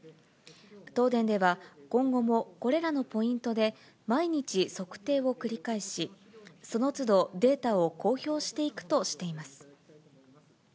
東電では、今後もこれらのポイントで毎日測定を繰り返し、その都度、データを公表していくとしています。